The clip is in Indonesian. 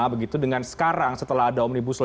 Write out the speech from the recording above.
begitu dengan sekarang setelah ada omnibus law